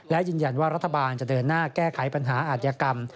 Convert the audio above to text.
และยืนยันว่ารัฐบาลจะเดินหน้าแก้ไขปัญหาอาจยกรรม